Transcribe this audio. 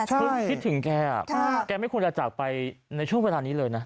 คือคิดถึงแกไม่ควรจะจากไปในช่วงเวลานี้เลยนะ